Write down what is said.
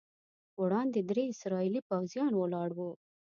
وړاندې درې اسرائیلي پوځیان ولاړ وو.